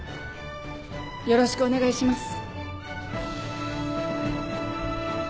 よろしくお願いします。